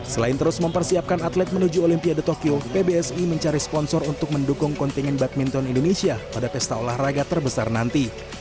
selain terus mempersiapkan atlet menuju olimpiade tokyo pbsi mencari sponsor untuk mendukung kontingen badminton indonesia pada pesta olahraga terbesar nanti